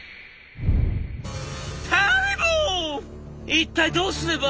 一体どうすれば」。